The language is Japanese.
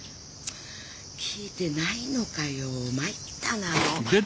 聞いてないのかよまいったな。